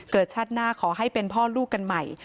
ชาติหน้าขอให้เป็นพ่อลูกกันใหม่